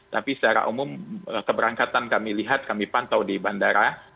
tapi secara umum keberangkatan kami lihat kami pantau di bandara